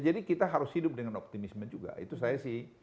kita harus hidup dengan optimisme juga itu saya sih